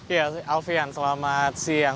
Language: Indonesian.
ya alfian selamat siang